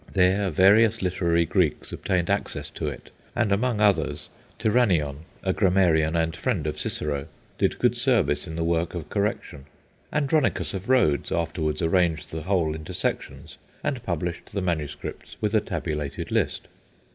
There various literary Greeks obtained access to it; and, among others, Tyrannion, a grammarian and friend of Cicero, did good service in the work of correction. Andronicus of Rhodes afterwards arranged the whole into sections, and published the manuscripts with a tabulated list.